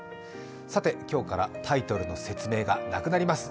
さて、今日からタイトルの説明がなくなります。